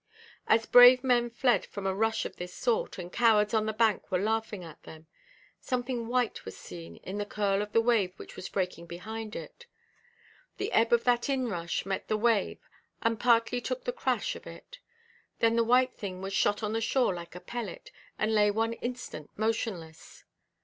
As brave men fled from a rush of this sort, and cowards on the bank were laughing at them, something white was seen in the curl of the wave which was breaking behind it. The ebb of that inrush met the wave and partly took the crash of it, then the white thing was shot on the shore like a pellet, and lay one instant motionless.